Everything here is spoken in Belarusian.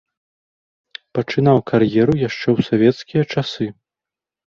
Пачынаў кар'еру яшчэ ў савецкія часы.